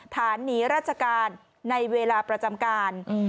หนีราชการในเวลาประจำการ